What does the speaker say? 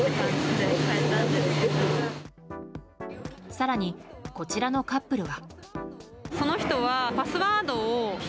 更に、こちらのカップルは。